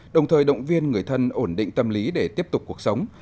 đồng thời động viên người thân ổn định tâm lý để tiếp tục cuộc sống